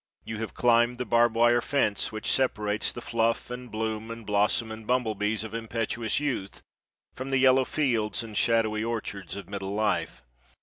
You have climbed the barbed wire fence which separates the fluff and bloom and blossom and bumble bees of impetuous youth from the yellow fields and shadowy orchards of middle life.